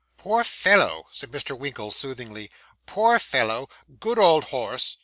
'Poor fellow,' said Mr. Winkle soothingly 'poor fellow good old horse.